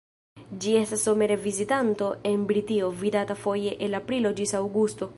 Ĝi estas somere vizitanto en Britio, vidata foje el aprilo ĝis aŭgusto.